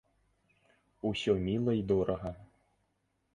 Усё міла й дорага.